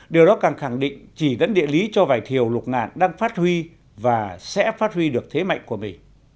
điều đó càng khẳng định chỉ dẫn địa lý cho vài thiều lục ngạn đang phát huy và sẽ phát huy được thế mạnh của mỹ